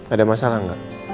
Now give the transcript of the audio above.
ada masalah gak